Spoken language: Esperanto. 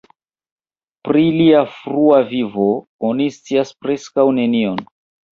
Pri lia frua vivo oni scias preskaŭ nenion.